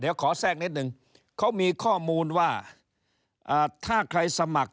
เดี๋ยวขอแทรกนิดนึงเขามีข้อมูลว่าถ้าใครสมัคร